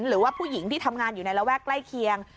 หรือว่าผู้หญิงที่ทำงานอยู่ในระแวกใกล้เคียง